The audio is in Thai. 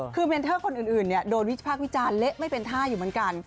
คือเมนเทอร์คนอื่นโดนวิพากษ์วิจารณ์เละไม่เป็นท่าอยู่เหมือนกัน